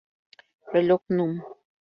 Reloj núm.